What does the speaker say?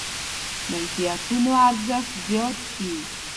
ملکيتونو ارزښت زيات شي.